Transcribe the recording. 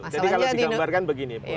jadi kalau digambarkan begini